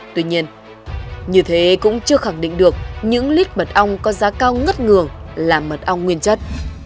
tuy nhiên như thế cũng chưa khẳng định được những lít mật ong có giá cao ngất ngừa là mật ong nguyên chất